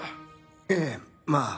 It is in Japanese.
ええまあ。